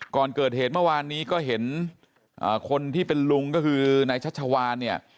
ก่อนเกิดเหตุเมื่อวานนี้ก็เห็นคนที่เป็นลุงก็คือนายชัชวานเนี่ย